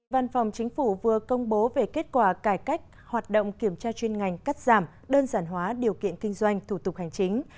văn phòng chính phủ vừa công bố về kết quả cải cách hoạt động kiểm tra chuyên ngành cắt giảm đơn giản hóa điều kiện kinh doanh thủ tục hành chính